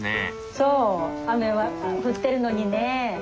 そう雨は降ってるのにね。